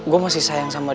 gue masih sayang sama dia